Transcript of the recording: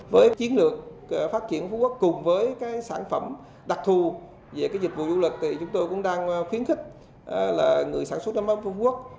với chiến lược phát triển phú quốc cùng với sản phẩm đặc thù về dịch vụ du lịch thì chúng tôi cũng đang khuyến khích là người sản xuất nước mắm phú quốc